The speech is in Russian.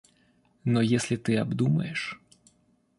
Но если ты обдумаешь...